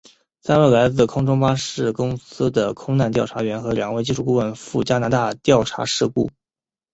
三位来自空中巴士公司的空难调查员和两位技术顾问赴加拿大调查事故。